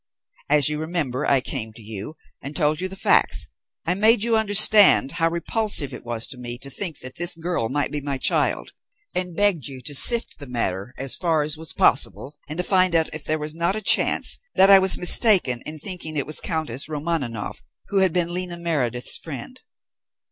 As you remember, I came to you, and told you the facts. I made you understand how repulsive it was to me to think that this girl might be my child, and begged you to sift the matter as far as was possible, and to find out if there were not a chance that I was mistaken in thinking it was Countess Romaninov who had been Lena Meredith's friend."